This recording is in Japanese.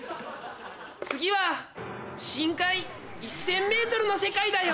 次は深海１０００ｍの世界だよ。